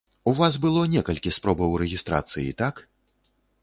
У вас было некалькі спробаў рэгістрацыі, так?